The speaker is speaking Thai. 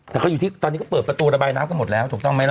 แต่เขาอยู่ที่ตอนนี้ก็เปิดประตูระบายน้ำกันหมดแล้วถูกต้องไหมล่ะ